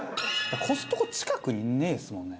コストコ近くにねえっすもんね